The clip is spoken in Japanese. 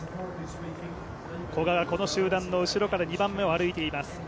古賀がこの集団の後ろから２番目を歩いています。